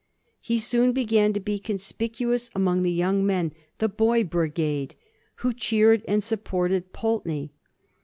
He soon began to be conspicuous among the young men — the "boy brigade," who cheered and supported Pulteney.